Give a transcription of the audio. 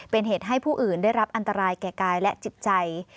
เป็นเหตุให้ผู้อื่นได้รับอันตรายแก่กายและจิตใจ